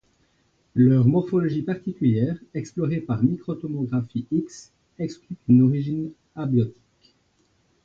Leur morphologie particulière, explorée par microtomographie X, exclut une origine abiotique.